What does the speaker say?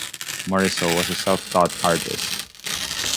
Morrisseau was a self-taught artist.